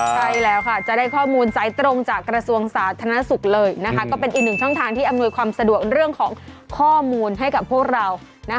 ใช่แล้วค่ะจะได้ข้อมูลสายตรงจากกระทรวงสาธารณสุขเลยนะคะก็เป็นอีกหนึ่งช่องทางที่อำนวยความสะดวกเรื่องของข้อมูลให้กับพวกเรา